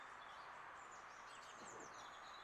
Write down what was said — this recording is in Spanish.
La iglesia fue construida en el estilo barroco tardío.